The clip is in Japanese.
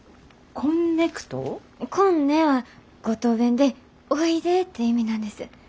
「こんね」は五島弁でおいでって意味なんです。